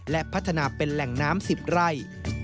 และพัฒนาเป็นแหล่งน้ำ๑๐ไร่